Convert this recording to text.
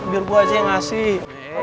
biar buah aja yang ngasih